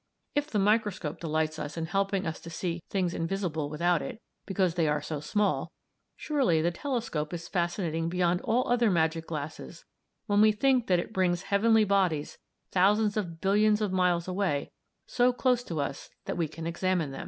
If the microscope delights us in helping us to see things invisible without it, because they are so small, surely the telescope is fascinating beyond all other magic glasses when we think that it brings heavenly bodies, thousands of billions of miles away, so close to us that we can examine them."